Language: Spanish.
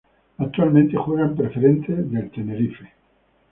Actualmente juega en Preferente de Tenerife.